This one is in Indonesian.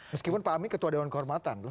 meskipun pak amin ketua dewan kehormatan loh